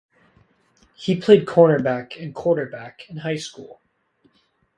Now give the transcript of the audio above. He played cornerback and quarterback in high school.